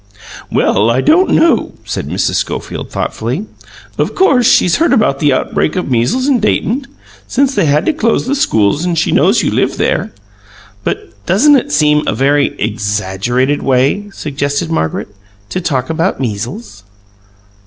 "Well, I don't know," said Mrs. Schofield thoughtfully. "Of course she's heard about the outbreak of measles in Dayton, since they had to close the schools, and she knows you live there " "But doesn't it seem a VERY exaggerated way," suggested Margaret, "to talk about measles?"